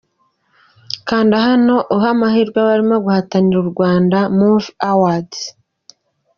Kanda hano uhe amahirwe abarimo guhatanira Rwanda Movie Awards.